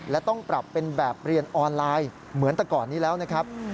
และต้องปรับเป็นแบบเรียนออนไลน์เหมือนแต่ก่อนนี้แล้วนะครับ